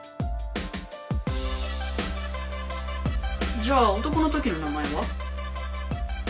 「じゃあ男のときの名前は？」。